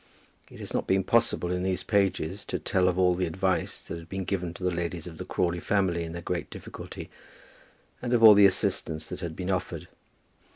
It has not been possible in these pages to tell of all the advice that had been given to the ladies of the Crawley family in their great difficulty, and of all the assistance that had been offered.